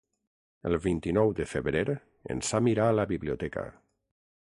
El vint-i-nou de febrer en Sam irà a la biblioteca.